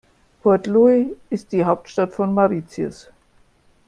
Port Louis ist die Hauptstadt von Mauritius.